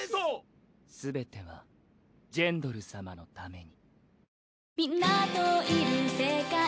すべてはジェンドル様のために。